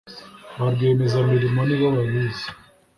ba rwiyemezamirimo ni bo babizi